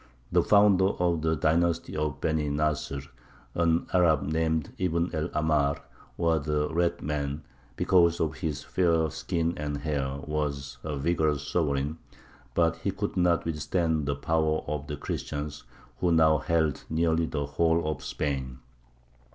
The founder of the dynasty of the Beny Nasr, an Arab named Ibn el Ahmar, or the "Red man," because of his fair skin and hair, was a vigorous sovereign, but he could not withstand the power of the Christians, who now held nearly the whole of Spain.